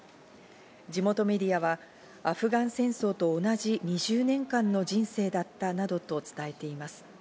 地元メディアはアフガン戦争と同じ２０年間の人生だったなどと伝えています。